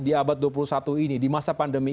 di abad dua puluh satu ini di masa pandemi